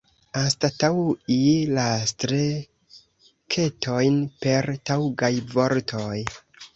Anstataŭi la streketojn per taŭgaj vortoj.